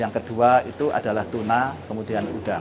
yang kedua itu adalah tuna kemudian udang